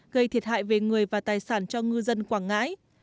gây thiệt hại về người và tài sản cho ngư dân quảng ngãi